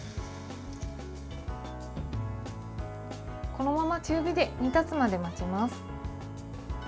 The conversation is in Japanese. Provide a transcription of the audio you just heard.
このまま中火で煮立つまで待ちます。